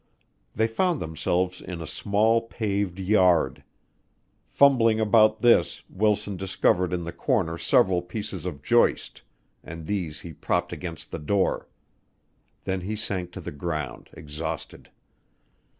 They found themselves in a small, paved yard. Fumbling about this, Wilson discovered in the corner several pieces of joist, and these he propped against the door. Then he sank to the ground exhausted.